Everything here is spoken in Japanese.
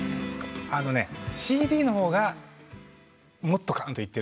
あのねＣＤの方がもっとガンといってるんですよね。